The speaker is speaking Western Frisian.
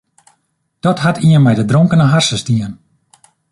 Dat hat ien mei de dronkene harsens dien.